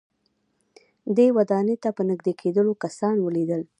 دې ودانۍ ته په نږدې کېدلو کسان وليدل.